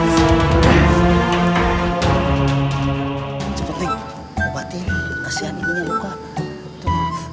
seperti obati kasihan ini bukan